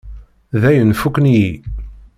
Dayen, fukken-iyi.